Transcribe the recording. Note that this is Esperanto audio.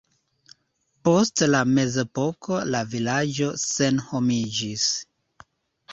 Post la mezepoko la vilaĝo senhomiĝis.